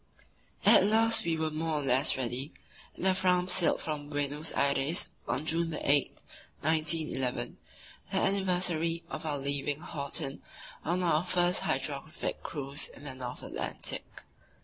At last we were more or less ready, and the Fram sailed from Buenos Aires on June 8, 1911, the anniversary of our leaving Horten on our first hydrographic cruise in the North Atlantic.